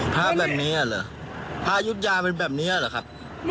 ภาพแบบเนี้ยเหรอภาพยุตญาเป็นแบบเนี้ยเหรอครับ